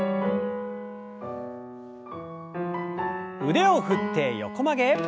腕を振って横曲げ。